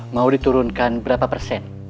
mau diturunkan berapa persen